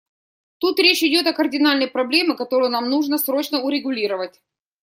Тут речь идет о кардинальной проблеме, которую нам нужно срочно урегулировать.